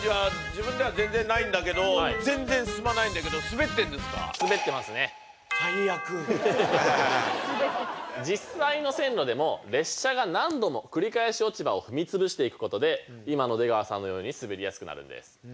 全然進まないんだけど実際の線路でも列車が何度も繰り返し落ち葉を踏み潰していくことで今の出川さんのように滑りやすくなるんです。